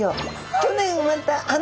去年生まれたあの子です。